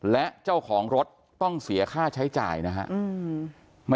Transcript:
และเจ้าของรถต้องเสียค่าใช้จ่ายนะครับ